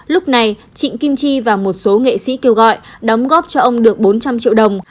lúc này trịnh kim chi và một số nghệ sĩ kêu gọi đóng góp cho ông được bốn trăm linh triệu đồng